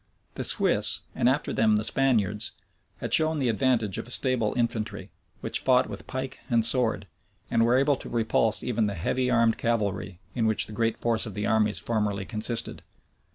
The Swiss, and after them the Spaniards, had shown the advantage of a stable infantry, who fought with pike and sword, and were able to repulse even the heavy armed cavalry, in which the great force of the armies formerly consisted.